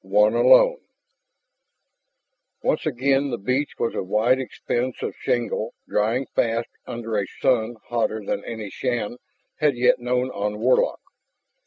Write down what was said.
9. ONE ALONE Once again the beach was a wide expanse of shingle, drying fast under a sun hotter than any Shann had yet known on Warlock.